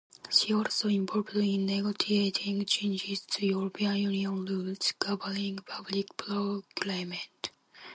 She also involved in negotiating changes to European Union rules governing public procurement.